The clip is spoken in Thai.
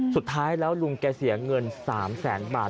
สุดท้ายแล้วลุงแกเสียเงิน๓แสนบาท